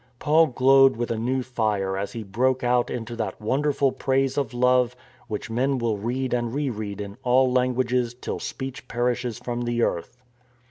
Paul glowed with a new fire as he broke out into that wonderful Praise of Love which men will read and re read in all languages till speech perishes from the earth.